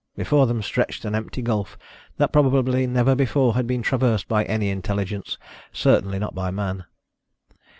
Before them stretched an empty gulf that probably never before had been traversed by any intelligence, certainly not by man.